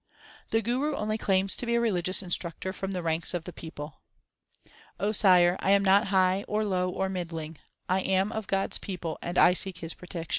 The Guru only claims to be a religious instructor from the ranks of the people : Sire, I am not high, or low, or middling ; I am of God s people, and I seek His protection.